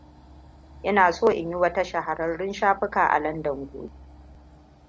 Ina so in yi wata shahararrun shafuka a Landan gobe.